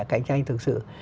cạnh tranh thực sự